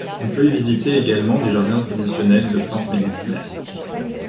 On peut y visiter également des jardins traditionnels de plantes médicinales.